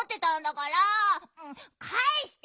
かえして！